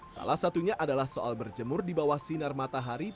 salah satunya adalah soal berjemur di bawah sinar matahari